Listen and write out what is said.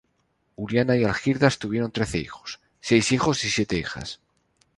Uliana y Algirdas tuvieron trece hijos: seis hijos y siete hijas.